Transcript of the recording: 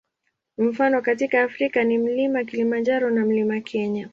Mifano katika Afrika ni Mlima Kilimanjaro na Mlima Kenya.